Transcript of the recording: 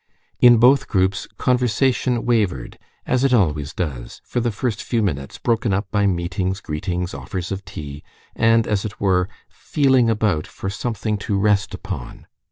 In both groups conversation wavered, as it always does, for the first few minutes, broken up by meetings, greetings, offers of tea, and as it were, feeling about for something to rest upon.